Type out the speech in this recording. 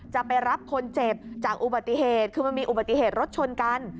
จะไปรับคนเจ็บจากอุบัติเหตุคือมันมีอุบัติเหตุรถชนกัน